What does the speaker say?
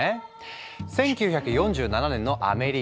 １９４７年のアメリカ。